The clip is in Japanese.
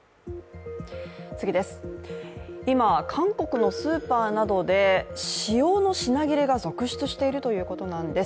今、韓国のスーパーなどで塩の品切れが続出しているということなんです